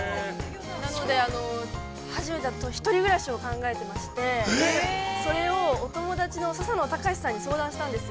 ◆なので、初めて一人暮らしを考えていまして、それをお友達の笹野高史さんに相談したんですよ。